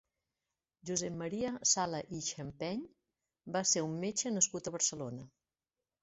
Josep Maria Sala i Xampeny va ser un metge nascut a Barcelona.